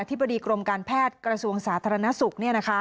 ธิบดีกรมการแพทย์กระทรวงสาธารณสุข